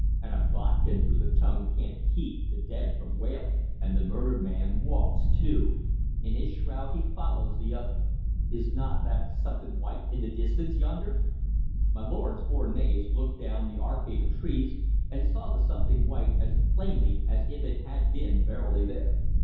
And a bodkin through the tongue can't keep the dead from wailing! And the murdered man walks, too; in his shroud he follows the other Is n't that something white in the distance yonder?" My lord's four knaves looked down the arcade of trees, and saw the something white as plainly as if it had been verily there.